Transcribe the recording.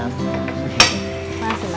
terima kasih mas